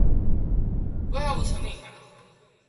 不會藥物成癮啊？